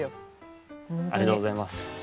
ありがとうございます。